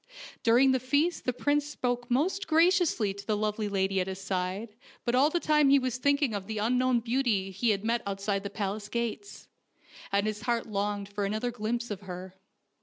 During the feast the prince spoke most graciously to the lovely lady at his side, but all the time he was thinking of the un known beauty he had met outside the palace gates, and his heart longed for another glimpse of her.